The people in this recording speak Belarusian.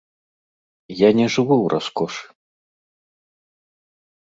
Я не жыву ў раскошы.